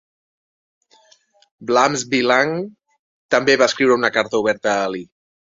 Vlaams Belang també va escriure una carta oberta a Ali.